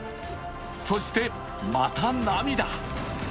そして、また涙。